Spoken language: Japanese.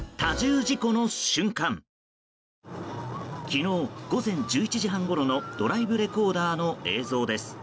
昨日午前１１時半ごろのドライブレコーダーの映像です。